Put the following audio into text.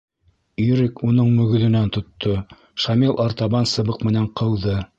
Ирек уның мөгөҙөнән тотто, Шамил арттан сыбыҡ менән ҡыуҙы.